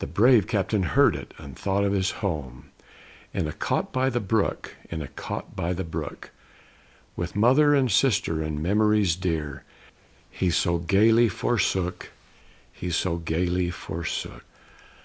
The brave captain heard it, and thought of his home, In a cot by the brook; in a cot by the brook. With mother and sister and memories dear, He so gayly forsook; he so gayly forsook.